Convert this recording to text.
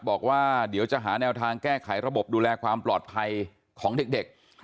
บอกว่าเดี๋ยวจะหาแนวทางแก้ไขระบบดูแลความปลอดภัยของเด็ก